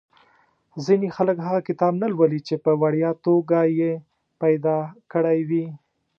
ځینې خلک هغه کتاب نه لولي چې په وړیا توګه یې پیدا کړی وي.